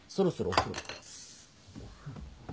お風呂。